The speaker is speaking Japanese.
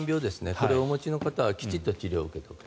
これをお持ちの方はきちんと治療を受ける。